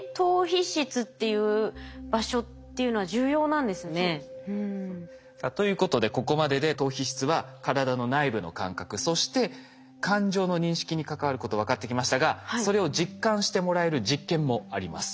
じゃあそうですね。ということでここまでで島皮質は体の内部の感覚そして感情の認識に関わること分かってきましたがそれを実感してもらえる実験もあります。